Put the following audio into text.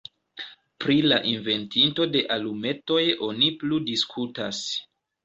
Pri la inventinto de alumetoj oni plu diskutas.